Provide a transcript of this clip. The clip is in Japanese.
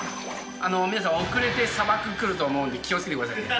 皆さん、遅れてサバクくると思うんで、気をつけてくださいね。